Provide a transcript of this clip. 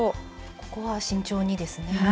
ここは慎重にですね。